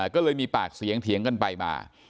ก็เลยมีปากเสียงเถียงกันไปมา